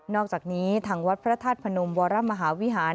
อกจากนี้ทางวัดพระธาตุพนมวรมหาวิหาร